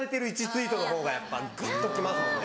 １ツイートのほうがやっぱグッと来ますもんね。